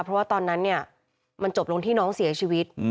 เพราะว่าตอนนั้นเนี่ยมันจบลงที่น้องเสียชีวิต